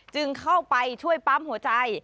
จึงเข้าไปช่วยปั๊มหัวใจ